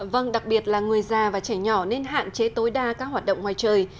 vâng đặc biệt là người già và trẻ nhỏ nên hạn chế tối đa các hoạt động ngoài trời